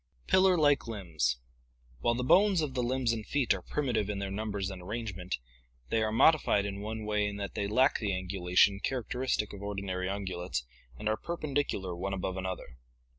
Pillar like Limbs. — While the bones of the limbs and feet are primitive in their numbers and arrangement, they are modified in one way in that they lack the angulation characteristic of ordinary ungulates and are perpendicular one above another.